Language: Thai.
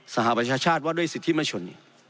สหปชาติว่าด้วยสิทธิมนุษยชน